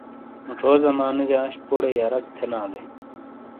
موچھو زمانے جا انشپوڈے یرک تھینالے۔